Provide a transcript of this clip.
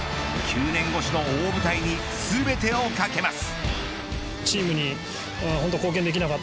９年越しの大舞台に全てをかけます。